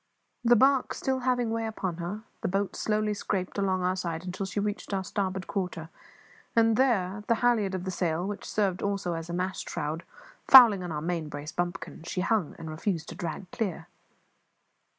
The barque still having way upon her, the boat slowly scraped along our side until she reached our starboard quarter; and there the halliard of the sail, which served also as a mast shroud, fouling our main brace bumpkin she hung, and refused to drag clear.